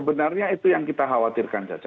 sebenarnya itu yang kita khawatirkan caca